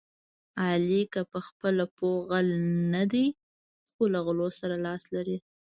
علي که په خپله پوخ غل نه دی، خو له غلو سره لاس لري.